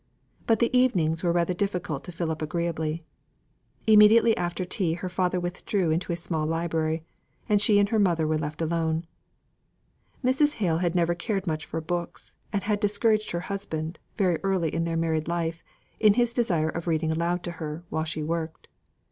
But the evenings were rather difficult to fill up agreeably. Immediately after tea her father withdrew into his small library, and she and her mother were left alone. Mrs. Hale had never cared much for books, and had discouraged her husband, very early in their married life, in his desire of reading aloud to her, while she worked.